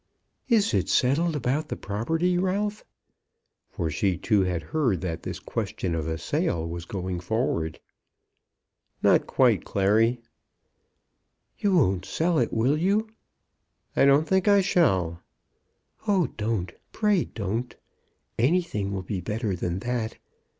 "Is it settled about the property, Ralph?" For she, too, had heard that this question of a sale was going forward. "Not quite, Clary." "You won't sell it; will you?" "I don't think I shall." "Oh, don't; pray don't. Anything will be better than that.